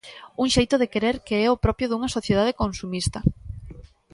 Un xeito de querer que é o propio dunha sociedade consumista.